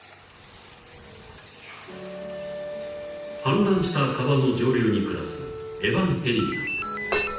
［氾濫した川の上流に暮らすエバンヘリーナ］